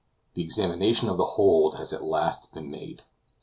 The examination of the hold has at last been made.